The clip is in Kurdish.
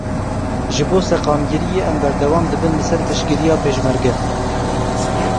Ji bo seqamgiriyê em berdewam dibin li ser piştgiriya Pêşmerge.